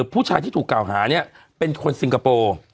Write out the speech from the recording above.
ผู้ชายที่ถูกกล่าวหาเนี่ยเป็นคนซิงคโปร์